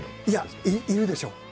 いやいるでしょ。